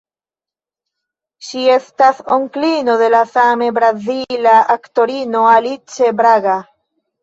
Ŝi estas onklino de la same brazila aktorino Alice Braga.